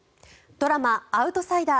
ドラマ「アウトサイダー」